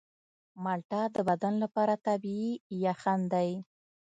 مالټه د بدن لپاره طبیعي یخن دی.